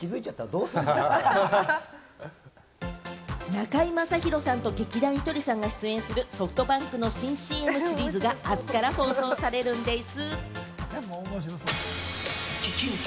中居正広さんと劇団ひとりさんが出演するソフトバンクの新ＣＭシリーズが明日から放送されるんでぃす。